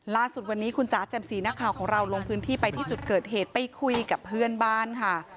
ล่าสุดวันนี้คุณจ๋าแจ่มสีนักข่าวของเราลงพื้นที่ไปที่จุดเกิดเหตุไปคุยกับเพื่อนบ้านค่ะ